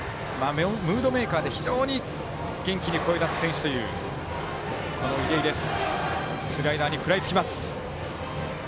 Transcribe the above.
ムードーメーカーで非常に元気よく声を出す選手という出井です。